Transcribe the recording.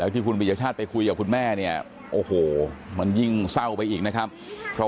อายุ๑๐ปีนะฮะเขาบอกว่าเขาก็เห็นถูกยิงนะครับ